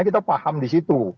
kita paham di situ